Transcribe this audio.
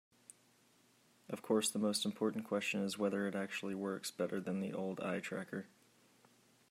Of course, the most important question is whether it actually works better than the old eye tracker.